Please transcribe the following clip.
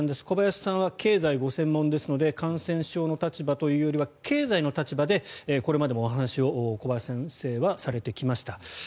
小林さんは経済がご専門ですので感染症の立場というよりは経済の立場でこれまでもお話を小林先生はされてきました。